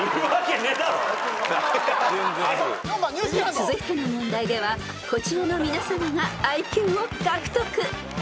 ［続いての問題ではこちらの皆さまがＩＱを獲得］